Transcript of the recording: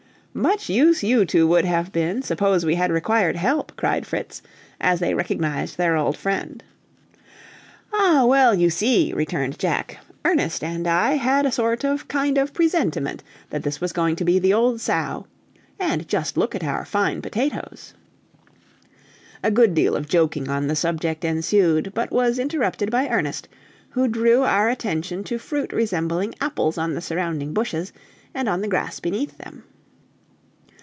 "Much use you two would have been suppose we had required help," cried Fritz, as they recognized their old friend. "Ah, well, you see," returned Jack, "Ernest and I had a sort of a kind of presentiment that this was going to be the old sow. And just look at our fine potatoes!" A good deal of joking on the subject ensued, but was interrupted by Ernest, who drew our attention to fruit resembling apples on the surrounding bushes, and on the grass beneath them.